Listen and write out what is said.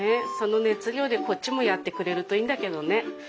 その熱量でこっちもやってくれるといいんだけどね。